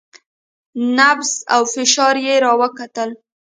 نبض او فشار يې راوکتل.